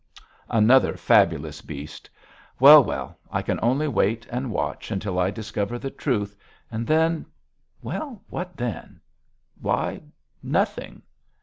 another fabulous beast. Well, well, I can only wait and watch until I discover the truth, and then well, what then? why, nothing!'